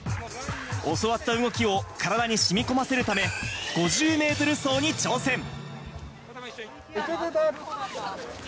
教わった動きを体に染み込ませるため、５０ｍ走に挑戦。